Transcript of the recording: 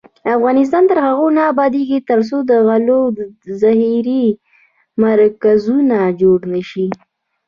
افغانستان تر هغو نه ابادیږي، ترڅو د غلو د ذخیرې مرکزونه جوړ نشي.